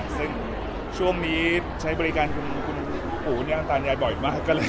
ซึ่งช่วงนี้ใช้บริการของคุณปูเงากันตอบอยมากเกลงใจ